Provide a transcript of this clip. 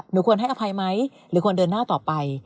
ควรให้อภัยไหมหรือควรเดินหน้าต่อไป